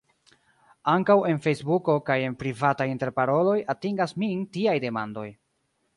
Ankaŭ en Fejsbuko, kaj en privataj interparoloj, atingas min tiaj demandoj.